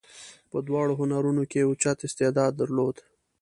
په دواړو هنرونو کې یې اوچت استعداد درلود.